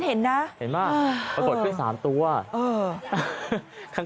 เห็นมากปรากฏขึ้น๓ตัว